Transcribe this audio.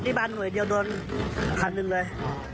สัตยาบาลหน่วยเดียวโดน๑๐๐๐เลย